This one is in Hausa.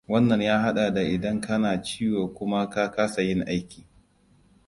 Wannan ya haɗa da idan kana ciwo kuma ka kasa yin aiki.